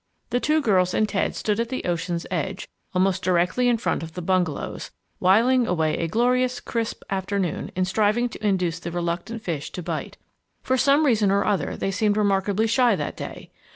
The two girls and Ted stood at the ocean's edge, almost directly in front of the bungalows, whiling away a glorious, crisp afternoon in striving to induce the reluctant fish to bite. For some reason or other, they seemed remarkably shy that day.